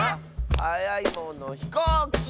はやいものひこうき！